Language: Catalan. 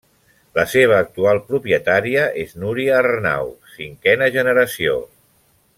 La seva actual propietària és Núria Arnau, cinquena generació.